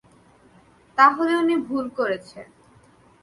তাহলে উনি ভুল করেছে?